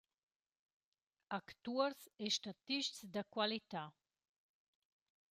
Actuors e statists da qualità!